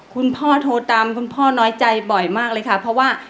คุณพ่อโทรตามคุณพ่อน้อยใจบ่อยมากเลยค่ะเพราะว่า